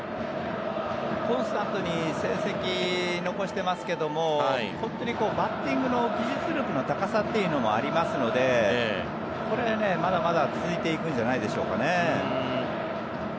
コンスタントに成績を残してますけども本当にバッティングの技術力の高さというのもありますのでこれはまだまだ続いていくんじゃないでしょうか。